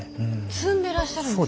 積んでらっしゃるんですか。